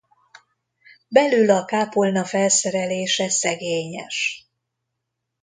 Belül a kápolna felszerelése szegényes.